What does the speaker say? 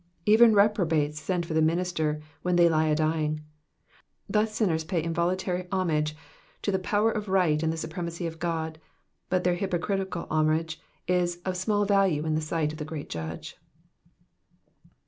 Even reprobates send for the minister when they lie a dying. Thus sinners pay involuntary homage to the power of right and the supremacy of God, but their hypocritical homage is of small value in the sight of the Great Judge.